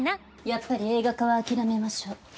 やっぱり映画化は諦めましょう。